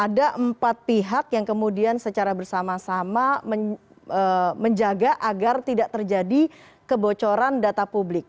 ada empat pihak yang kemudian secara bersama sama menjaga agar tidak terjadi kebocoran data publik